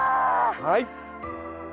はい。